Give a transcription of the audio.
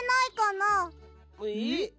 えっ？